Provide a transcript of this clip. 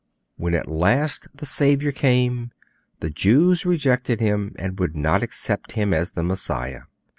When at last the Saviour came, the Jews rejected Him and would not accept Him as the Messiah.